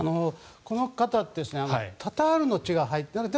この方はタタールの血が入っている。